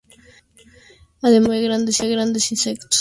Además consume grandes insectos, orugas y arañas.